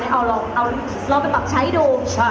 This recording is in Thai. ไอ้ลองไปแบบใช้ดู